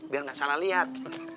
biar nggak salah liat